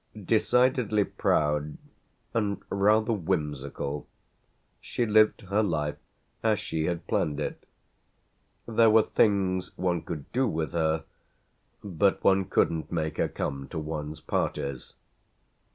Decidedly proud and rather whimsical she lived her life as she had planned it. There were things one could do with her, but one couldn't make her come to one's parties.